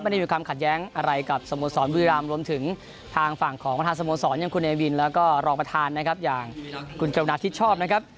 มีความขัดแย้งอะไรกับสโมสรบุรีรามรวมถึงทางฝั่งของประธานสโมสรอย่างคุณเนวินแล้วก็รองประธานนะครับอย่างคุณกรุณาธิชอบนะครับ